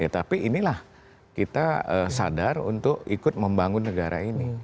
tapi inilah kita sadar untuk ikut membangun negara ini